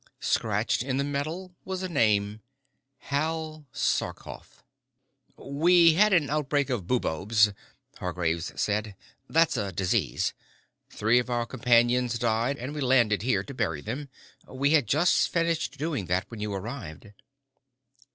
Scratched in the metal was a name: Hal Sarkoff. "We had an outbreak of buboes," Hargraves said. "That's a disease. Three of our companions died and we landed here to bury them. We had just finished doing this when you arrived."